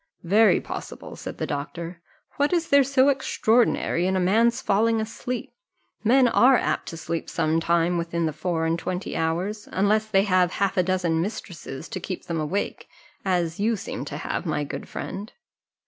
"Very possible," said the doctor: "what is there so extraordinary in a man's falling asleep? Men are apt to sleep sometime within the four and twenty hours, unless they have half a dozen mistresses to keep them awake, as you seem to have, my good friend."